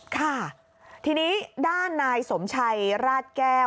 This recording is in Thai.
ค่ะทีนี้ด้านนายสมชัยราชแก้ว